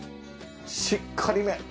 しっかりめ。